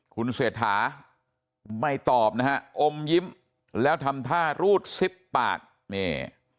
คุณเศรษฐาไม่ตอบนะฮะอมยิ้มแล้วทำท่ารูดซิบปากนี่